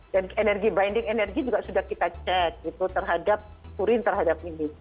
dan binding energy juga sudah kita cek gitu terhadap furin terhadap ini